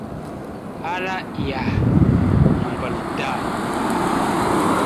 Ala iyah, nambal day !